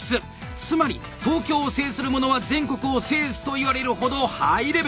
つまり東京を制するものは全国を制すといわれるほどハイレベル！